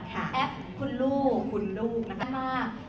คุณลูกนะคะ